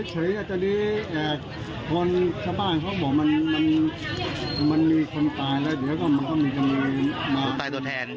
ใช่